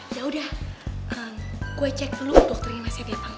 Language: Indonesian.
yaudah gue cek dulu dokter ini masih ada yang panggil